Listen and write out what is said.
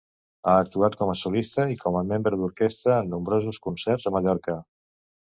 Ha actuat com a solista i com a membre d'orquestra en nombrosos concerts a Mallorca.